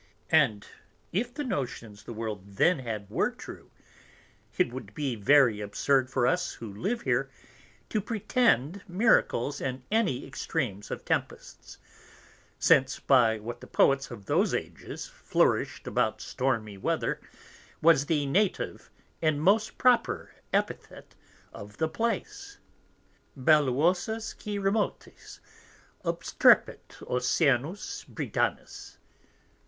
] And if the Notions the World then had were true, it would be very absurd for us who live here to pretend Miracles in any Extremes of Tempests; since by what the Poets of those Ages flourish'd about stormy Weather, was the native and most proper Epithet of the Place: Belluosus qui remotis Obstrepit Oceanus Britannis.